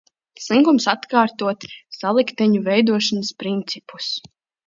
Slinkums atkārtot salikteņu veidošanas principus.